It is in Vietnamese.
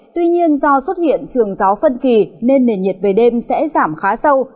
tuy nhiên do xuất hiện trường gió phân kỳ nên nền nhiệt về đêm sẽ giảm khá sâu